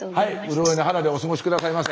潤いの肌でお過ごし下さいませ。